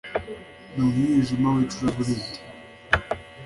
n umwijima w icuraburindi